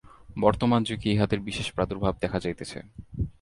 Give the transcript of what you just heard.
বর্তমান যুগে ইহাদের বিশেষ প্রাদুর্ভাব দেখা যাইতেছে।